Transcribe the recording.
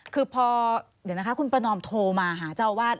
คือพอเดี๋ยวนะคะคุณประนอมโทรมาหาเจ้าอาวาส